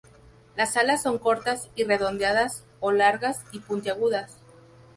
Las alas son cortas y redondeadas o largas y puntiagudas.